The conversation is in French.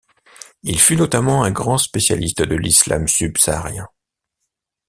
Il fut notamment un grand spécialiste de l'islam subsaharien.